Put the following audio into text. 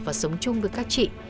và sống chung với các chị